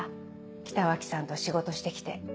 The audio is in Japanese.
北脇さんと仕事してきて。